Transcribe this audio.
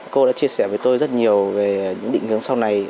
cô đã chia sẻ với tôi rất nhiều về những định hướng sau này